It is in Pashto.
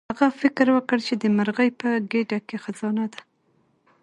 هغه فکر وکړ چې د مرغۍ په ګیډه کې خزانه ده.